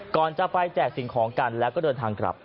ก่อนจะไปแจกสิ่งของกันแล้วก็เดินทางกลับ